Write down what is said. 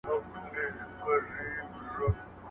يو صميمي يار مي په درسته زمانه کي نه وو